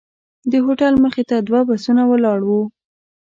د هوټل مخې ته دوه بسونه ولاړ وو.